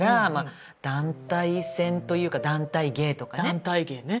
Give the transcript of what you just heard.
団体芸ね。